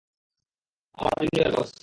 আমার জুনিয়র বস।